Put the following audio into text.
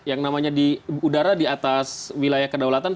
yang namanya di udara di atas wilayah kedaulatan